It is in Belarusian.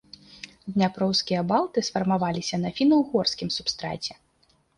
Дняпроўскія балты сфармаваліся на фіна-ўгорскім субстраце.